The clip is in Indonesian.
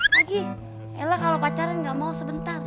lagi ella kalo pacaran ga mau sebentar